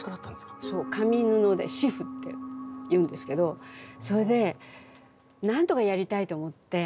「紙」「布」で「紙布」っていうんですけどそれでなんとかやりたいと思って。